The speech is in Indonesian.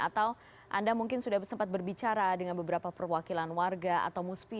atau anda mungkin sudah sempat berbicara dengan beberapa perwakilan warga atau muspi